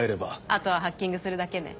あとはハッキングするだけね。